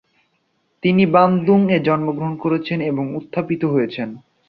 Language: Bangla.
তিনি বানদুং এ জন্মগ্রহণ করেছেন এবং উত্থাপিত হয়েছেন।